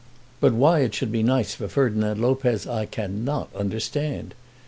But why it should be nice for Ferdinand Lopez I cannot understand.